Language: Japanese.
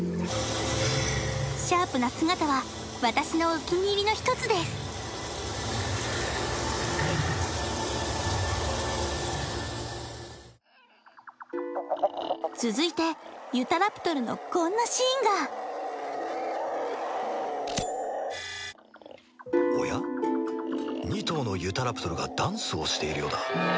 シャープな姿は私のお気に入りの一つです続いてユタラプトルのこんなシーンがおや２頭のユタラプトルがダンスをしているようだ